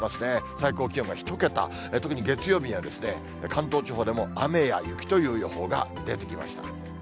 最高気温が１桁、特に月曜日には、関東地方でも雨や雪という予報が出てきました。